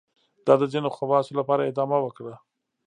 دا د ځینو خواصو لپاره ادامه وکړه.